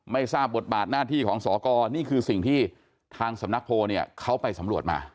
ไม่ทราบบทบาทหน้าที่ของสอกรนี่คือสิ่งที่ทางสำนักโพลเนี่ยเขาไปสำรวจมา